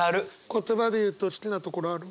言葉で言うと好きなところある？